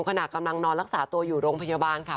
ขณะกำลังนอนรักษาตัวอยู่โรงพยาบาลค่ะ